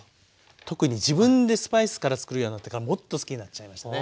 特に自分でスパイスからつくるようになってからもっと好きになっちゃいましたね。